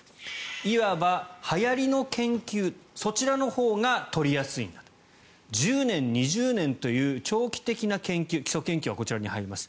いわば、はやりの研究そちらのほうが取りやすいんだと１０年、２０年という長期的な研究基礎研究はこちらに入ります